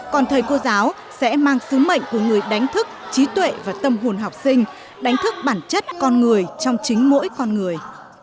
còn thầy cô giáo sẽ mang sứ mệnh của người đánh thức trí tuệ và tâm hồn học sinh đánh thức bản chất con người trong chính mỗi con người